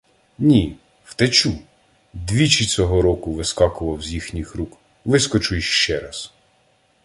— Ні! Втечу! Двічі цього року вискакував з їхніх рук, вискочу й ще раз.